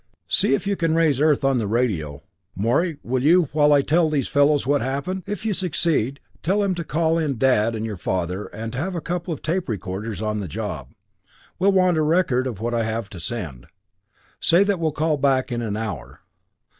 See if you can raise Earth on the radio, Morey, will you, while I tell these fellows what happened? If you succeed, tell them to call in Dad and your father, and to have a couple of tape recorders on the job. We'll want a record of what I have to send. Say that we'll call back in an hour."